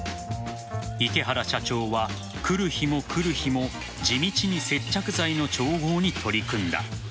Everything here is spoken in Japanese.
池原社長は来る日も来る日も地道に接着剤の調合に取り組んだ。